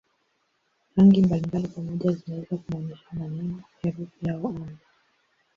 Rangi mbalimbali pamoja zinaweza kumaanisha maneno, herufi au amri.